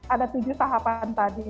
ada tujuh tahapan tadi